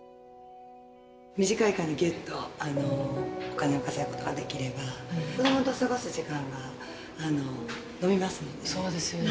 短い間にぎゅっとお金を稼ぐことができれば、子どもと過ごす時間が延びますのでね。